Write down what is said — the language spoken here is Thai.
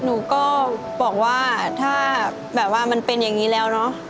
หนูก็บอกว่าถ้าแบบว่ามันเป็นอย่างนี้แล้วเนอะ